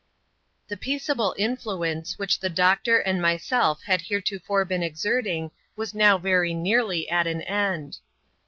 The peaceable influence which the doctor and myself had heretofore been exerting was now very nearly at an end.